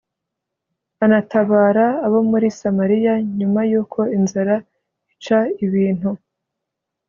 anatabara abo muri Samariya nyuma y’uko inzara ica ibintu